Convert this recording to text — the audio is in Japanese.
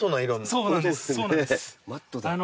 すごい！